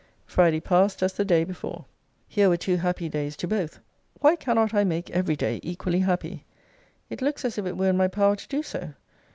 Friday passed as the day before. Here were two happy days to both. Why cannot I make every day equally happy? It looks as if it were in my power to do so.